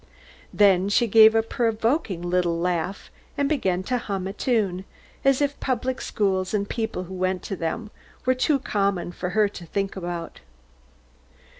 Then she gave a provoking little laugh, and began to hum a tune, as if public schools and people who went to them were too common for her to think about.